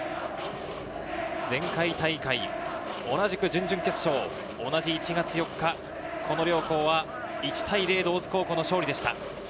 前回大会、同じく準々決勝、同じ１月４日、この両校は１対０で大津高校の勝利でした。